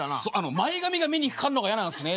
前髪が目にかかんのが嫌なんですね。